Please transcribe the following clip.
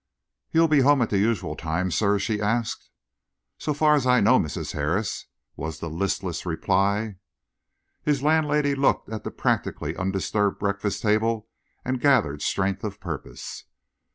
"You'll be home at the usual time, sir?" she asked. "So far as I know, Mrs. Harris," was the listless reply. His landlady looked at the practically undisturbed breakfast table and gathered strength of purpose.